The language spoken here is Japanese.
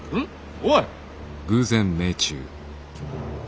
おい！